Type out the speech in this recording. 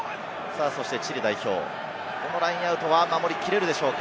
そしてチリ代表、このラインアウトは守りきれるでしょうか。